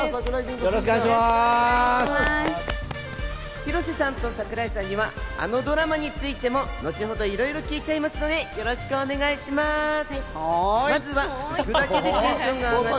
広瀬さんと櫻井さんには、あのドラマについても後ほどいろいろ聞いちゃいますので、よろしくお願いします。